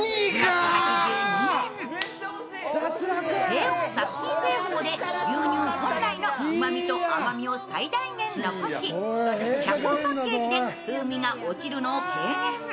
低温殺菌製法で牛乳本来のうまみと甘みを最大限残し、遮光パッケージで風味が落ちるのを軽減。